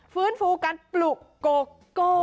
ฟื้นภูมิการกิกโกโก้